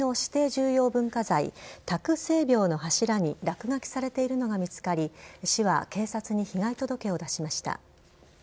重要文化財多久聖廟の柱に落書きされているのが見つかり市は警察に被害届を出しました。